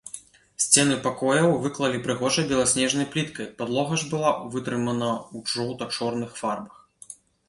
Сцены пакояў выклалі прыгожай беласнежнай пліткай, падлога ж была вытрымана ў жоўта-чорных фарбах.